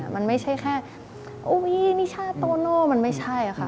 มันไม่ใช่แค่อุ้ยนิชาโตโน่มันไม่ใช่ค่ะ